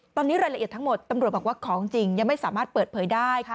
ตอนนี้รายละเอียดทั้งหมดตำรวจบอกว่าของจริงยังไม่สามารถเปิดเผยได้